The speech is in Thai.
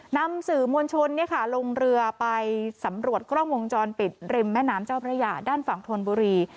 นำสื่อมวลชนลงเรือไปสำรวจกล้องวงจรปิดริมแม่น้ำเจ้าพระยาด้านฝั่งธนบุรี